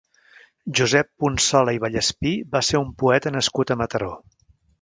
Josep Punsola i Vallespí va ser un poeta nascut a Mataró.